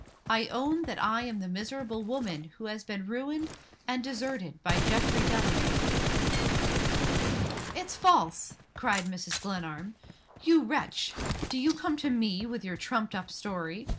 I own that I am the miserable woman who has been ruined and deserted by Geoffrey Delamayn." "It's false!" cried Mrs. Glenarm. "You wretch! Do you come to me with your trumped up story?